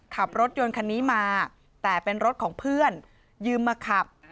ขับรถยนต์คันนี้มาแต่เป็นรถของเพื่อนยืมมาขับ